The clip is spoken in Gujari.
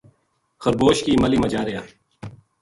خربوش کی ماہلی ما جا رہیا